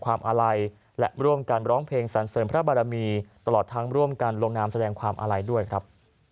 ขอบคุณครับ